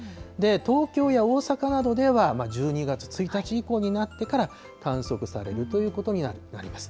東京や大阪などでは、１２月１日以降になってから観測されるということになります。